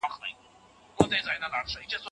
استاد د ليکني سمه بڼه ټاکي.